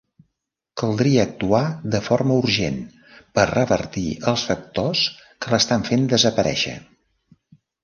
Caldria actuar de forma urgent per revertir els factors que l'estan fent desaparèixer.